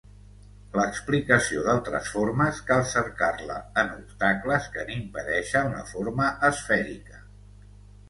L'explicació d'altres formes cal cercar-la en obstacles que n'impedeixen la forma esfèrica.